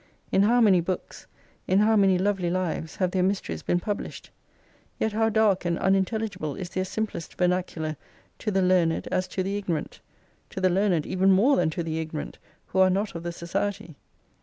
In how many books, in how many lovely lives, have their mysteries been published ! yet how dark and unintel i ligible is their simplest vernacular to the learned as to the ignorant, to the learned even more than to the ignorant, who are not of the Society